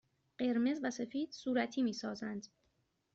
قرمز و سفید صورتی می سازند.